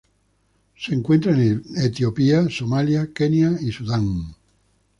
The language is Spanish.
Se encuentra en Etiopía, Somalia, Kenia y Sudán.